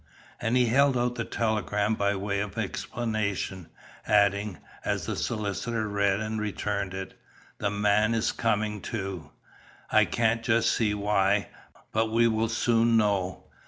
And he held out the telegram by way of explanation, adding, as the solicitor read and returned it, "The man is coming, too. I can't just see why. But we will soon know.